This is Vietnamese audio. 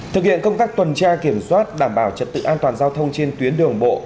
thực hiện công tác tuần tra kiểm soát đảm bảo trật tự an toàn giao thông trên tuyến đường bộ